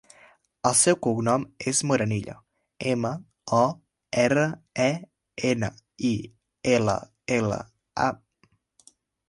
El seu cognom és Morenilla: ema, o, erra, e, ena, i, ela, ela, a.